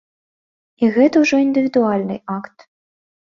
І гэта ўжо індывідуальны акт.